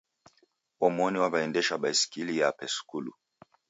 Omoni waendesha baskili yape skulu.